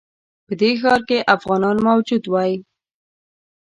په دې ښار کې افغانان موجود وای.